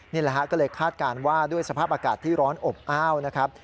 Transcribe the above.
นี่แหละฮะก็เลยคาดการณ์ว่าด้วยสภาพอากาศที่ร้อนอบอ้าวนะครับ